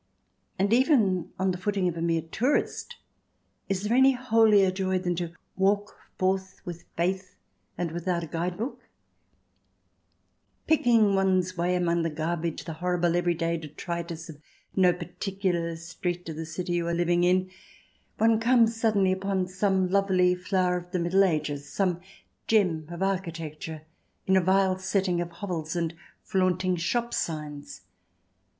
And even on the footing of a mere tourist, is there any holier joy than to walk forth with faith and without a guide book ? Picking one's way among the garbage, the horrible every day detritus of no particular street of the city you are living in, one comes suddenly upon some lovely flower of the Middle Ages, some gem of architecture, in a vile setting of hovels and flaunting shop signs